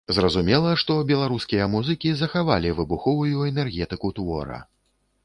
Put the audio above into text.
Зразумела, што беларускія музыкі захавалі выбуховую энергетыку твора.